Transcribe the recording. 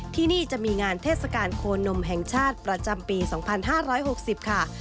ที่นี่จะมีงานเทศกาลโคนมแห่งชาติประจำปี๒๕๖๐ค่ะ